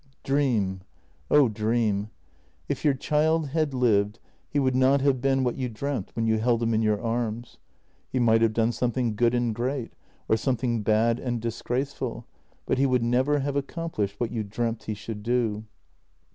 Dream — oh, dream ! If your child had lived he would not have been what you dreamt when you held him in your arms. He might have done something good and great, or something bad and disgraceful, but he would never have accomplished what you dreamt he should do.